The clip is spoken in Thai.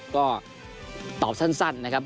ก็ตอบสั้นนะครับ